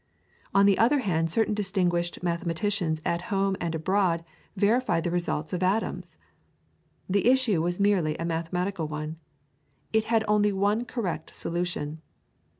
On the other hand certain distinguished mathematicians at home and abroad verified the results of Adams. The issue was merely a mathematical one. It had only one correct solution.